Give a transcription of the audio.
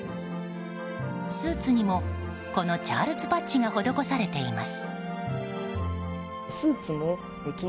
スーツにもこのチャールズ・パッチが施されています。